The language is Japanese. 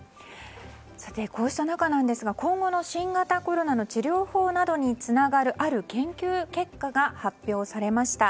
こうした中ですが今後の新型コロナの治療法などにつながるある研究結果が発表されました。